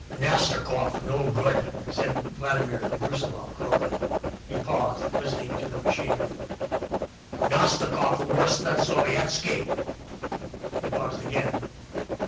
"Nastikoff no good," said Vladimir Brusiloff, coldly. He paused, listening to the machinery. "Nastikoff worse than Sovietski." He paused again.